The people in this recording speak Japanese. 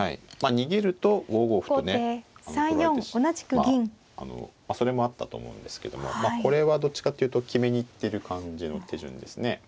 まあ逃げると５五歩とね取られてまあそれもあったと思うんですけどもまあこれはどっちかっていうと決めに行ってる感じの手順ですね。